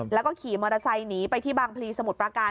แล้วก็ขี่มอเตอร์ไซค์หนีไปที่บางพลีสมุทรประการ